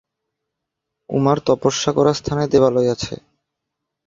উমার তপস্যা করা স্থানে দেবালয় আছে।